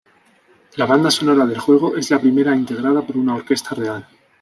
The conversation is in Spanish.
La banda sonora del juego es la primera integrada por una orquesta real.